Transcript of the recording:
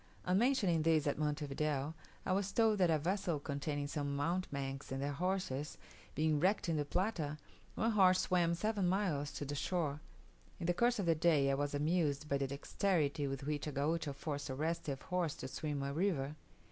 On mentioning this at Monte Video, I was told that a vessel containing some mountebanks and their horses, being wrecked in the Plata, one horse swam seven miles to the shore. In the course of the day I was amused by the dexterity with which a Gaucho forced a restive horse to swim a river.